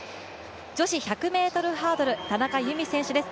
女子１００ｍハードル、田中佑美選手です。